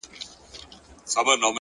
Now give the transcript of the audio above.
هره ناکامي د نوې هڅې پیغام دی.!